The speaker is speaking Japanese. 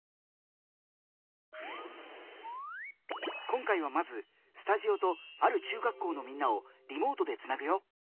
今回はまずスタジオとある中学校のみんなをリモートでつなぐよ！